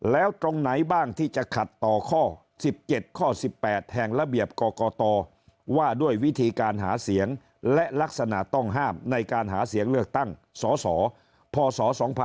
แล้วตรงไหนบ้างที่จะขัดต่อข้อ๑๗ข้อ๑๘แห่งระเบียบกรกตว่าด้วยวิธีการหาเสียงและลักษณะต้องห้ามในการหาเสียงเลือกตั้งสสพ